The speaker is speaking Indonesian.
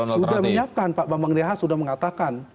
sudah menyiapkan pak bambang deha sudah mengatakan